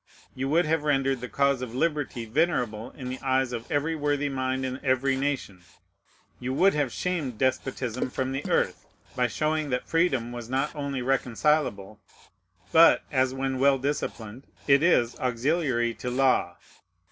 You would have rendered the cause of liberty venerable in the eyes of every worthy mind in every nation. You would have shamed despotism from the earth, by showing that freedom was not only reconcilable, but, as, when well disciplined, it is, auxiliary to law.